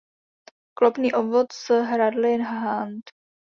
Klopný obvod s hradly nand